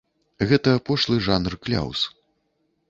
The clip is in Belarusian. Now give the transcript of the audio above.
Гэта пошлы жанр кляўз.